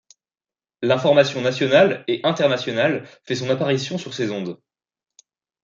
L’information nationale et internationale fait son apparition sur ses ondes.